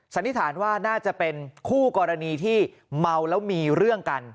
สันนิษฐานว่าน่าจะเป็นคู่กรณีที่เมาแล้วมีเรื่องกัน